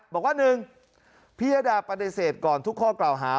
บอกว่า๑พิยดาปฏิเสธก่อนทุกข้อกล่าวหา